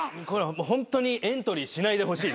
ホントにエントリーしないでほしい。